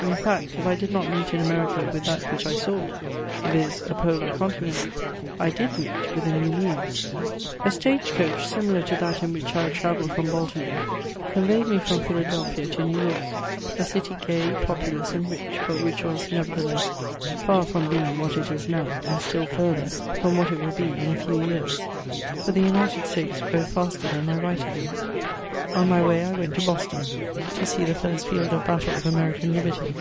In fact, if I did not meet in America with that which I sought — viz., a Polar Continent, I did meet with a new muse. A stage coach, similar to that in which 1 had travelled firom Baltimore, conveyed me horn Philadelphia to New York, a city gay, popijous, and rich, but which was, nevertheless, far from being what it is now, and still further from what it will be in a few years ; for the United States grow faster than my writings. On my way I went to Boston, to see the first field of battle of Amencan Liberty.